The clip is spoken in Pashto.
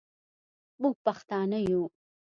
موږ پښتانه یو